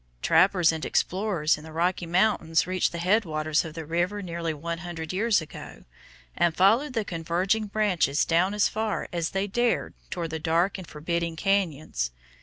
Trappers and explorers in the Rocky Mountains reached the head waters of the river nearly one hundred years ago, and followed the converging branches down as far as they dared toward the dark and forbidding cañons.